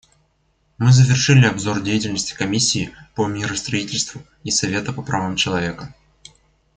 Мы завершили обзор деятельности Комиссии по миростроительству и Совета по правам человека.